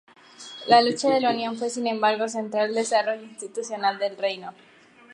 La lucha de la Unión fue sin embargo central al desarrollo institucional del reino.